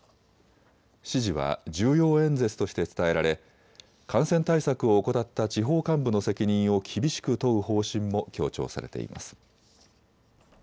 指示は重要演説として伝えられ感染対策を怠った地方幹部の責任を厳しく問う方針も強調されています。